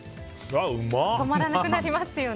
止まらなくなりますよね。